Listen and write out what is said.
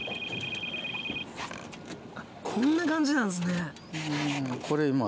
こんな感じなんですね。